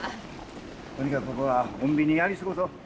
とにかくここは穏便にやり過ごそう。